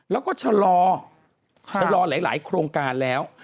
และก็ชะลอหลายโครงการแล้ว